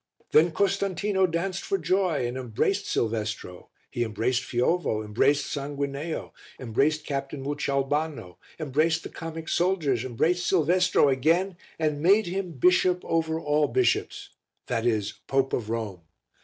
Then Costantino danced for joy and embraced Silvestro, he embraced Fiovo, embraced Sanguineo, embraced Captain Mucioalbano, embraced the comic soldiers, embraced Silvestro again and made him bishop over all bishops that is Pope of Rome.